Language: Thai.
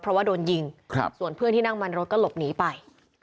เพราะว่าโดนยิงส่วนเพื่อนที่นั่งมันรถก็หลบหนีไป